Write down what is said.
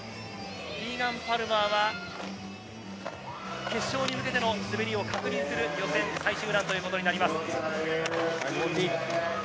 キーガン・パルマーは決勝に向けての滑りを確認する予選最終ランとなります。